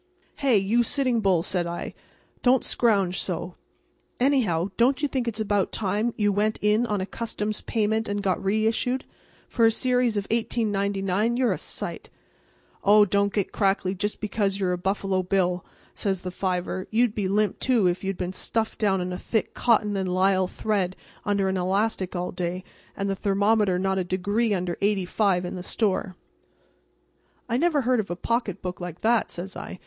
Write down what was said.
"Hey, you Sitting Bull," says I, "don't scrouge so. Anyhow, don't you think it's about time you went in on a customs payment and got reissued? For a series of 1899 you're a sight." "Oh, don't get crackly just because you're a Buffalo bill," says the fiver. "You'd be limp, too, if you'd been stuffed down in a thick cotton and lisle thread under an elastic all day, and the thermometer not a degree under 85 in the store." "I never heard of a pocketbook like that," says I.